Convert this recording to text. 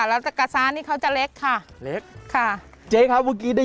เลยเป็นเจ๊ตาสี่น้ำ